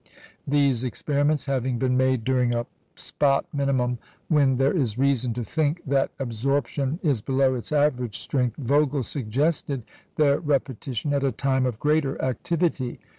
These experiments having been made during a spot minimum when there is reason to think that absorption is below its average strength, Vogel suggested their repetition at a time of greater activity.